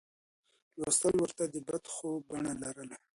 لوستل ورته د بد خوب بڼه لرله.